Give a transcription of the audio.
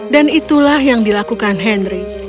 itulah yang dilakukan henry